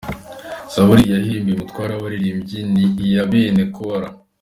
Zaburi iyi yahimbiwe umutware w’abaririmbyi. Ni iya bene Kōra.